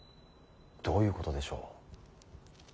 どういうことでしょう。